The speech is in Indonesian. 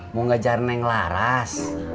mau ngajarin neng laras